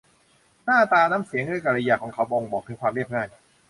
หน้าตา น้ำเสียง และกริยาของเขา บ่งบอกถึงความเรียบง่าย